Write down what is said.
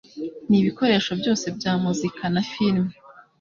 n'ibikoresho byose bya muzika na filime